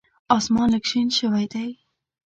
اسمان لږ شین شوی دی .